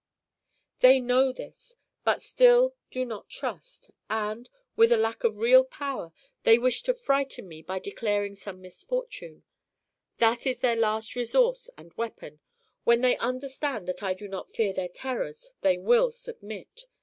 "They know this, but still do not trust, and with a lack of real power they wish to frighten me by declaring some misfortune. That is their last resource and weapon. When they understand that I do not fear their terrors they will submit.